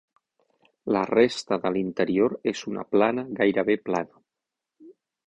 La resta de l'interior és una plana gairebé plana.